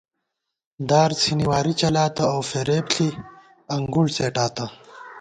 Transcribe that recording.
دار څِھنی واری چَلاتہ اؤ فریب ݪی انگُڑ څېٹاتہ